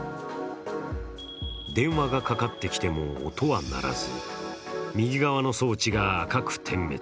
電話がかかってきても音は鳴らず右側の装置が赤く点滅。